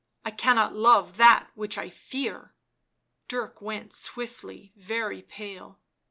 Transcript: " I cannot love that which — I fear." Dirk went swiftly very pale.